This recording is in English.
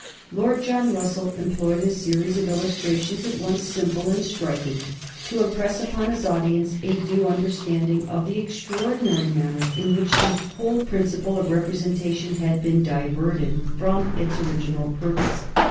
Lord John Russell employed a series of illustrations, at once simple and striking, to impress upon his audience a due understanding of the extraordinary manner in which the whole principle of representation had been diverted. from its original purpose.